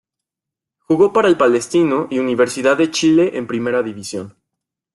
Jugó para el Palestino y Universidad de Chile en Primera División.